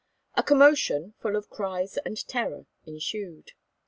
A commotion, full of cries and terror, ensued.